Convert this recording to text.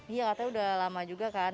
iya katanya udah lama juga kan